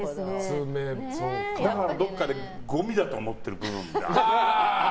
だから、どこかでごみだと思ってる部分があるんだよ。